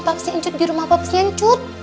papasnya ancut di rumah papasnya ancut